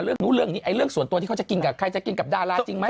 เรื่องนี้เรื่องส่วนตัวที่เขาจะกินกับใครจะกินกับดาราจริงไหม